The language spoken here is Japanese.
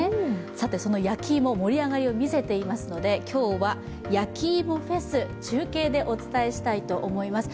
さてその焼き芋、盛り上がりを見せていますので今日はやきいもフェス、中継でお伝えしたいと思います。